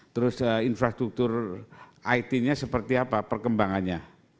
terus infrastruktur it nya seperti apa perkembangannya